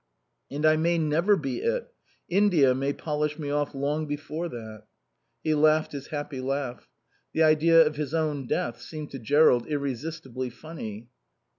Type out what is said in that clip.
"And I may never be it. India may polish me off long before that." He laughed his happy laugh. The idea of his own death seemed to Jerrold irresistibly funny.